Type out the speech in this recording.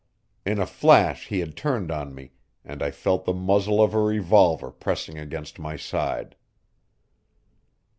In a flash he had turned on me, and I felt the muzzle of a revolver pressing against my side.